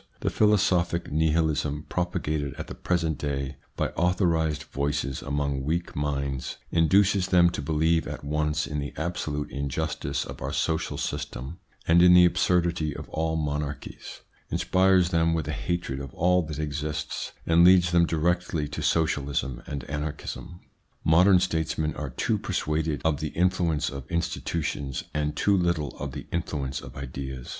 The philosophic Nihilism, propagated at the present day by authorised voices among weak minds, induces them to believe at once in the absolute injustice of our social system and in the absurdity of all monarchies, inspires them with a hatred of all that exists, and leads them directly to socialism and anarchism. Modern statesmen are too persuaded of the influence of institutions and too little of the influence of ideas.